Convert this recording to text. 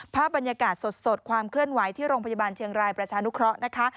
ภาพบรรยากาศสดความเคลื่อนไหวที่โรงพยาบาลเชียงรายประชานุเคราะห์นะคะ